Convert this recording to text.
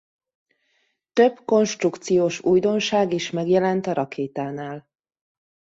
Több konstrukciós újdonság is megjelent a rakétánál.